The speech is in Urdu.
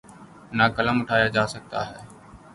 نہ قلم اٹھایا جا سکتا ہے۔